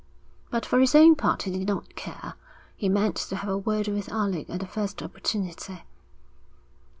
But for his own part he did not care; he meant to have a word with Alec at the first opportunity.